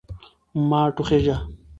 مه ټوخیژه